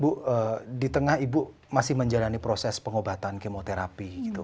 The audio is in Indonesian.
bu di tengah ibu masih menjalani proses pengobatan kemoterapi